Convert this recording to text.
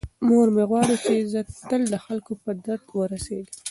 مور مې غواړي چې زه تل د خلکو په درد ورسیږم.